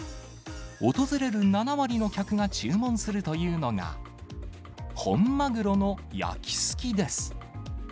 訪れる７割の客が注文するというのが、本マグロの焼きすきです。